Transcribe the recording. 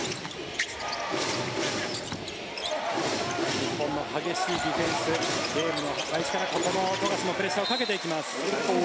日本の激しいディフェンスゲームの開始からここも富樫がプレッシャーをかけていきます。